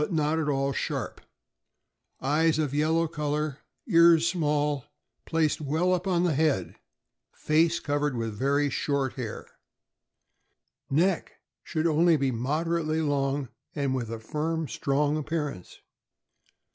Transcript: not at all sharp; eyes of yellow color; ears small, placed well up on the head; face covered with very short hair. Neck. — Should be only moderately long and with a firm, strong appearance.